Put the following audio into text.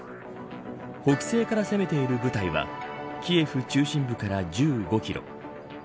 北西から攻めている部隊はキエフ中心部から１５キロ